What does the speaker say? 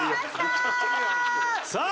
「さあ」？